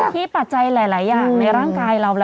ปัจจัยหลายอย่างในร่างกายเรา